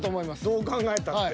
どう考えたって。